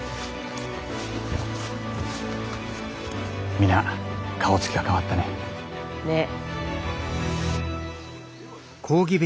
皆顔つきが変わったね。ねぇ。